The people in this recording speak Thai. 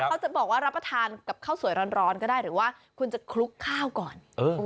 เขาจะบอกว่ารับประทานกับข้าวสวยร้อนก็ได้หรือว่าคุณจะคลุกข้าวก่อน